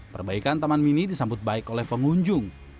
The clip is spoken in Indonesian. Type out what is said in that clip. perbaikan taman mini disambut baik oleh pengunjung